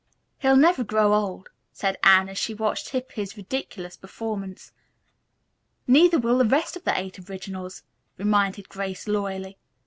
"He'll never grow old," said Anne, as she watched Hippy's ridiculous performance. "Neither will the rest of the Eight Originals," reminded Grace loyally.